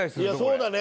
そうだね。